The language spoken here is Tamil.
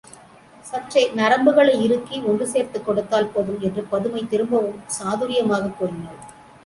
சற்றே நரம்புகளை இறுக்கி ஒன்று சேர்த்துக் கொடுத்தால் போதும் என்று பதுமை திரும்பவும் சாதுரியமாகக் கூறினாள்.